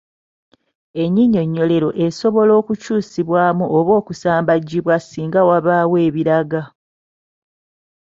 Ennyinyonnyolero esobola okukyusibwamu oba n’okusambajjibwa singa wabaawo ebiraga.